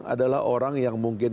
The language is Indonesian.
adalah orang yang mungkin